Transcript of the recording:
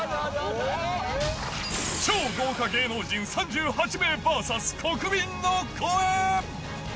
超豪華芸能人３８名ＶＳ国民の声。